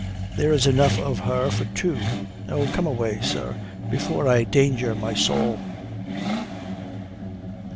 There's enough of her for two. Oh, come away, sir, before I danger my soul."